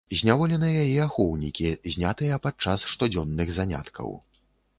Зняволеныя і ахоўнікі знятыя падчас штодзённых заняткаў.